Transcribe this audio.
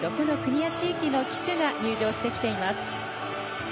４６の国や地域の旗手が入場してきています。